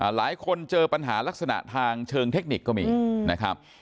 หลายคนเจอปัญหาลักษณะทางเชิงเทคนิคก็มีนะครับ